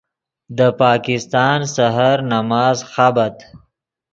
دے پاکستان سحر نماز خابت